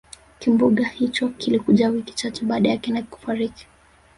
kimbunga hicho kilikuja wiki chache baada ya kenneth kufariki